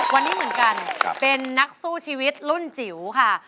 วันนี้เหมือนกันเป็นนักสู้ชีวิตรุ่นจิ๋วค่ะ